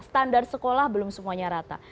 standar sekolah belum semuanya rata